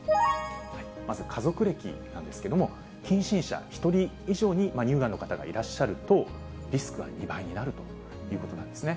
まず家族歴なんですけれども、近親者１人以上に乳がんの方がいらっしゃると、リスクは２倍になるということなんですね。